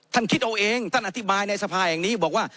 คิดเอาเองท่านอธิบายในสภาแห่งนี้บอกว่า